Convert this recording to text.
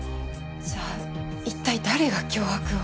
じゃあ一体誰が脅迫を？